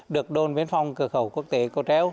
được đồn biên phòng cửa khẩu quốc tế cầu treo